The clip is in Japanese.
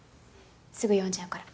すぐ読んじゃうから。